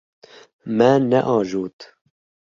Me neajot.